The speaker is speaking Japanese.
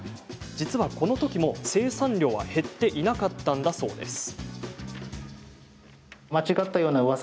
実はこのときも生産量は減っていなかったんだそうです。